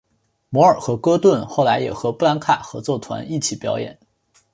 摩尔和戈顿后来也和布兰卡合奏团一起表演。